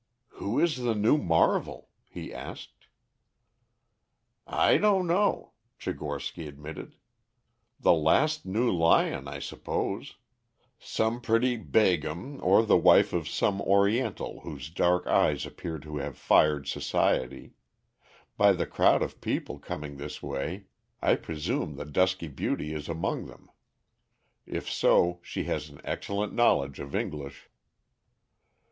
"Who is the new marvel?" he asked. "I don't know," Tchigorsky admitted. "The last new lion, I suppose. Some pretty Begum or the wife of some Oriental whose dark eyes appear to have fired society. By the crowd of people coming this way I presume the dusky beauty is among them. If so, she has an excellent knowledge of English."